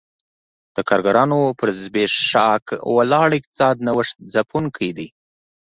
د کارګرانو پر زبېښاک ولاړ اقتصاد نوښت ځپونکی دی